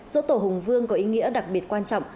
dỗ tổ hùng vương có ý nghĩa đặc biệt quan trọng